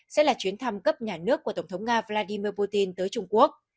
sẽ là chuyến thăm cấp nhà nước của tổng thống nga vladimir putin tới trung quốc